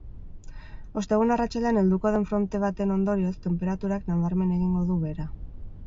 Ostegun arratsaldean helduko den fronte baten ondorioz, tenperaturak nabarmen egingo du behera.